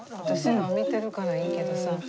私ら見てるからいいけどさ。